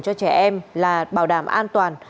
cho trẻ em là bảo đảm an toàn